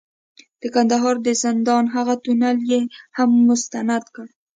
د کندهار د زندان هغه تونل یې هم مستند کړ،